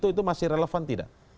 itu masih relevan tidak